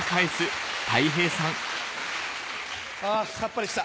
あさっぱりした。